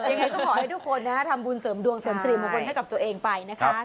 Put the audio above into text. ยังไงก็ขอให้ทุกคนทำบุญเสริมดวงเสริมสิริมงคลให้กับตัวเองไปนะคะ